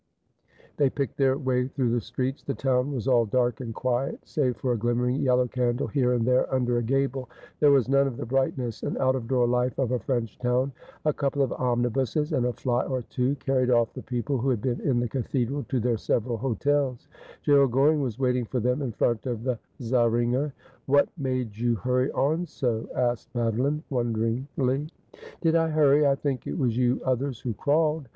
They picked their way through the streets. The town was all dark and quiet, save for a glimmering yellow candle here and there under a gable ; there was none of the brightness and out of door life of a French town. A couple of omnibuses and a fly or two carried o&. the people who had been in the cathedral to their several hotels. Gerald Goring was waiting for them in front of the Zahr inger. 'What made you hurry on so?' asked Madeline wonder ingly. ' Did I hurry ? I think it was you others who crawled.